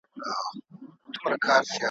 له یوې توري بلا خلاصېږې `